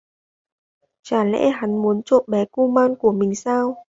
Chả lẽ hắn muốn trộm bé kuman của mình sao